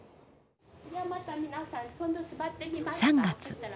３月。